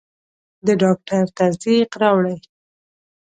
د ډاکټر تصدیق راوړئ.